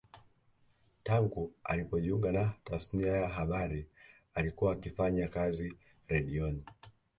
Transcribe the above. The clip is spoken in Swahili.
Tangu alipojiunga na tasnia ya habari alikuwa akifanya kazi redioni